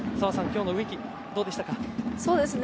今日の植木どうでしたか？